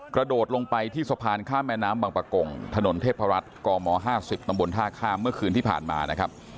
กระโดดลงไปที่สะพานข้ามแม่น้ำบางประกงถนนเทพรัฐกม๕๐ตำบลท่าข้ามเมื่อคืนที่ผ่านมานะครับ